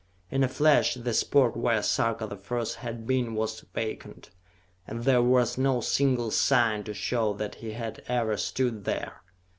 In a flash the spot where Sarka the First had been was vacant, and there was no single sign to show that he had ever stood there!